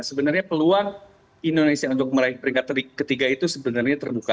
sebenarnya peluang indonesia untuk meraih peringkat ketiga itu sebenarnya terbuka